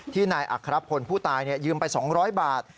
นายอัครพลผู้ตายยืมไป๒๐๐บาท